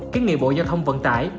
kiến nghị bộ giao thông vận tải